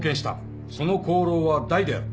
その功労は大である。